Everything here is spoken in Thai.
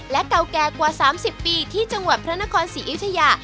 และเก่าแก่กว่า๓๐ปีที่จังหวัดพระนครศรีอยุธยา